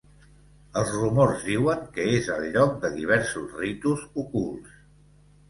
Els rumors diuen que és el lloc de diversos ritus ocults.